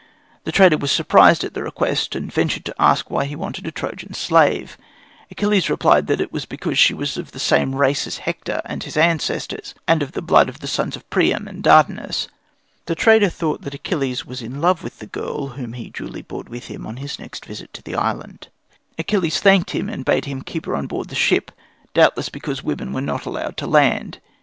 The trader was surprised at the request, and ventured to ask why he wanted a Trojan slave. Achilles replied that it was because she was of the same race as Hector and his ancestors, and of the blood of the sons of Priam and Dardanus. The trader thought that Achilles was in love with the girl, whom he duly brought with him on his next visit to the island. Achilles thanked him, and bade him keep her on board the ship, doubtless because women were not allowed to land.